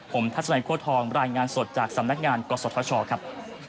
ผมทัศนัยโค้ทองรายงานสดจากสำนักงานกศธชครับ